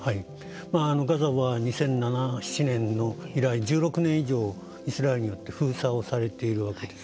ガザは２００７年以来１６年以上イスラエルによって封鎖をされているわけです。